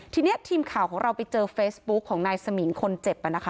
ทีนี้ทีมข่าวของเราไปเจอเฟซบุ๊กของนายสมิงคนเจ็บ